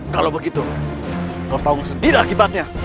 kalau begitu kau harus tahu sendiri akibatnya